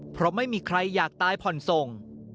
เพราะไม่มีใครอยากตายผ่อนส่ง